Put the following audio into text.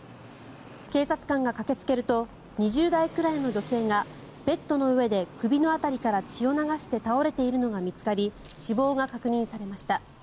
警察官が駆けつけると２０代くらいの女性がベッドの上で首の辺りから血を流して倒れているのが見つかり死亡が確認されました。